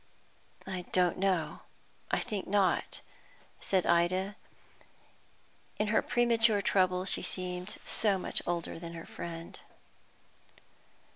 "I don't know, I think not," said Ida. In her premature trouble she seemed so much older than her friend.